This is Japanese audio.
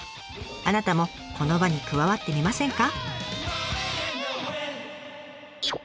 あなたもこの場に加わってみませんか？